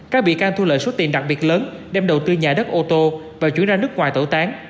các bị can thu lợi số tiền đặc biệt lớn đem đầu tư nhà đất ô tô và chuyển ra nước ngoài tẩu tán